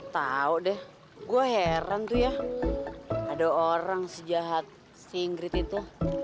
tau deh gue heran tuh ya ada orang sejahat singrit itu